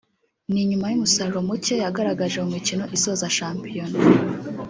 ni nyuma y’umusaruro muke yagaragaje mu mikino isoza Shampiyona